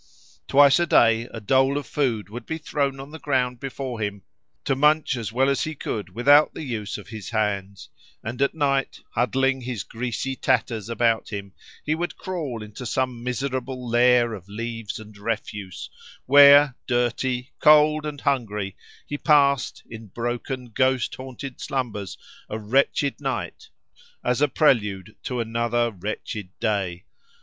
Twice a day a dole of food would be thrown on the ground before him to munch as well as he could without the use of his hands; and at night, huddling his greasy tatters about him, he would crawl into some miserable lair of leaves and refuse, where, dirty, cold, and hungry, he passed, in broken ghost haunted slumbers, a wretched night as a prelude to another wretched day.